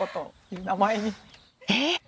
えっ！